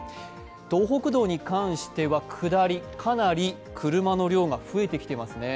東北道に関しては下り、かなり車の量が増えてきていますね。